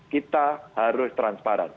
kita harus transparan